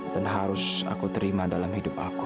dan harus aku terima dalam hidup aku